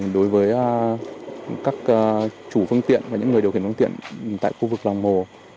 đối với các chủ phương tiện và những người điều kiện phương tiện tại khu vực lòng hồ